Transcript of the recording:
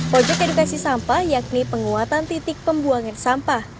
pojok edukasi sampah yakni penguatan titik pembuangan sampah